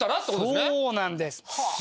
そうなんです。